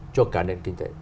cho cả nền kinh tế